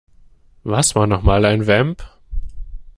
Was war nochmal ein Vamp?